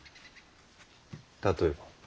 例えば？